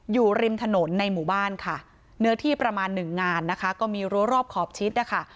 อยู่ริมถนนในหมู่บ้านค่ะเนื้อที่ประมาณหนึ่งงานนะคะก็มีรั้วรอบขอบชิดนะคะ